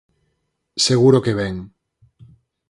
Seguro que ben.